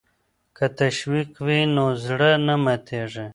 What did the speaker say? که تشویق وي نو زړه نه ماتیږي.